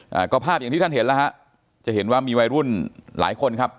อ่าก็ภาพอย่างที่ท่านเห็นแล้วฮะจะเห็นว่ามีวัยรุ่นหลายคนครับ